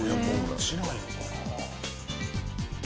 落ちないのかな？